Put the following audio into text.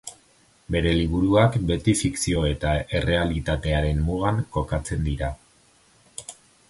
Bere liburuak beti fikzio eta errealitatearen mugan kokatzen dira.